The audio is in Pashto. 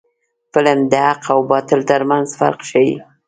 فلم د حق او باطل ترمنځ فرق ښيي